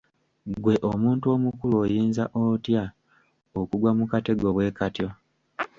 Ggwe omuntu omukulu oyinza otya okugwa mu katego bwekatyo?